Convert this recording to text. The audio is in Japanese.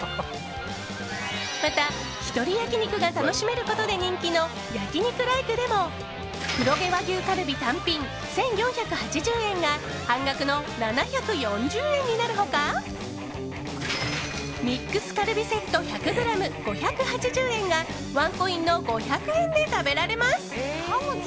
また、１人焼き肉が楽しめることで人気の焼肉ライクでも黒毛和牛カルビ単品１４８０円が半額の７４０円になる他ミックスカルビセット１００ｇ５８０円がワンコインの５００円で食べられます。